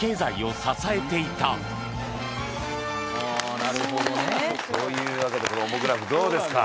なるほどね。というわけでこのオモグラフどうですか？